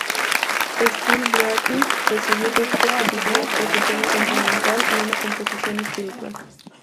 Still Breathing recibió críticas positivas por su tema sentimental y una composición espiritual.